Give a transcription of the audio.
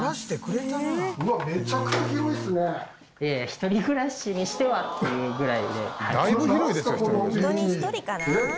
一人暮らしにしてはっていうぐらいで。